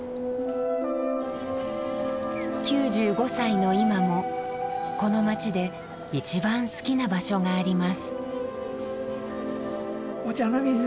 ９５歳の今もこの街で一番好きな場所があります。